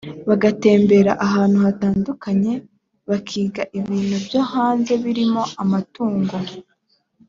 bagatembera ahantu hatandukanye bakiga ibintu byo hanze birimo amatungo